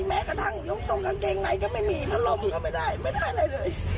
แม้กระทั่งทรงกางเกงในก็ไม่มีพัดลมก็ไม่ได้ไม่ได้อะไรเลย